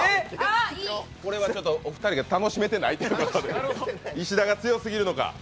これはお二人が楽しめてないので、石田が強すぎるのか。